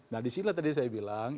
nah disinilah tadi saya bilang